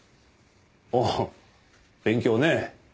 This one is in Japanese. ああ勉強ね。